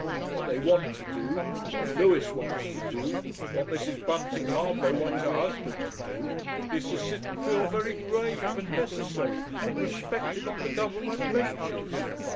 What they want to do, what Lewis wants to do, what Mrs. Bunting Harblow wants her husband to do, is to sit and feel very grave and necessary and respected on the Government benches.